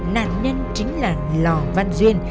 nạn nhân chính là lò văn duyên